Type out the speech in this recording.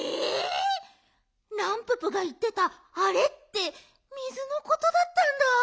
ランププがいってた「あれ」って水のことだったんだ。